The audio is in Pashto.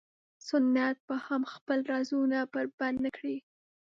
سنت به هم خپل رازونه بربنډ نه کړي.